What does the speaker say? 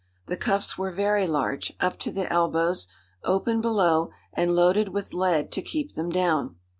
The cuffs were very large, up to the elbows, open below, and loaded with lead to keep them down.